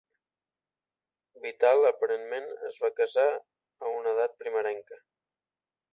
Vital aparentment es va casar a una edat primerenca.